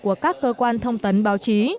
của các cơ quan thông tấn báo chí